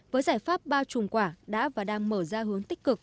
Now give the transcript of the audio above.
với giải pháp bao trùm quả đã và đang mở ra hướng tích cực